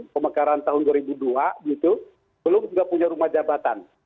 pemekaran tahun dua ribu dua gitu belum juga punya rumah jabatan